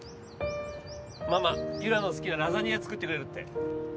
ママゆらの好きなラザニア作ってくれるって